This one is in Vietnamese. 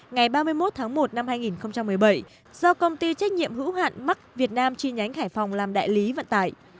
ngày ba mươi một tháng một năm hai nghìn một mươi bảy do công ty trách nhiệm hữu hạn mark việt nam chi nhánh hải phòng làm đại lý vận tải